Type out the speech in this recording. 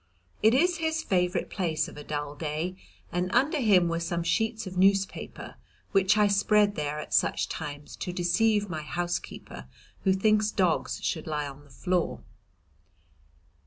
It is his favourite place of a dull day, and under him were some sheets of newspaper, which I spread there at such times to deceive my housekeeper, who thinks dogs should lie on the floor.